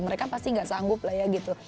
mereka pasti nggak sanggup lah ya gitu